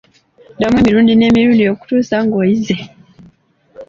Ddamu emirundi n'emirundi okutuusa ng'oyize.